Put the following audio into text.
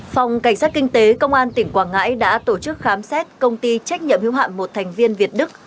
phòng cảnh sát kinh tế công an tỉnh quảng ngãi đã tổ chức khám xét công ty trách nhiệm hưu hạm một thành viên việt đức